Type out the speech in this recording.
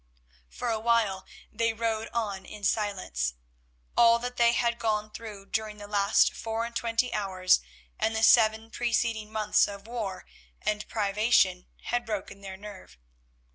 For a while they rowed on in silence. All that they had gone through during the last four and twenty hours and the seven preceding months of war and privation, had broken their nerve.